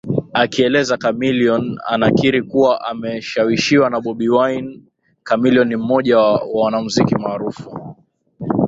akieleza Chameleone anakiri kuwa ameshawishiwa na Bobi Wine Chameleone ni mmoja wa wanamuziki maarufu